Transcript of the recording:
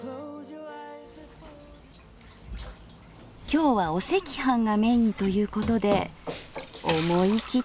今日はお赤飯がメインということで思い切って作ります。